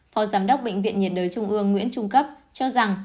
phó giám đốc bệnh viện nhiệt đới trung ương nguyễn trung cấp cho rằng